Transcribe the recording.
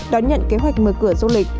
đón nhận kế hoạch mở cửa du lịch